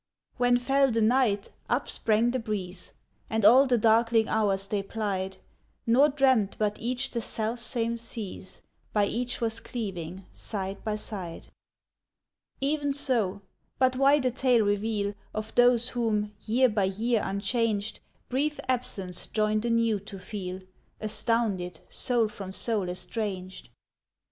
When fell the night, up sprang the breeze, And all the darkling hours they plied, Nor dreamt but each the selfsame seas By each was cleaving, side by side: E'en so, but why the tale reveal Of those whom, year by year unchanged, Brief absence joined anew to feel, Astounded, soul from soul estranged?